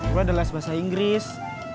gue ada les bahasa inggris